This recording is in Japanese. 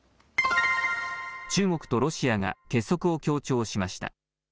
中国とロシアが結束を強調しました。